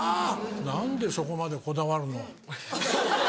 何でそこまでこだわるの？